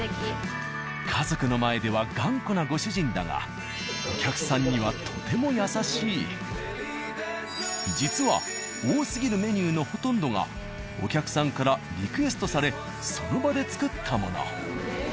家族の前では頑固なご主人だが実は多すぎるメニューのほとんどがお客さんからリクエストされその場で作ったもの。